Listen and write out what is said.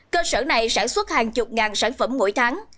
cơ sở này sản xuất hàng chục ngàn sản phẩm mỗi tháng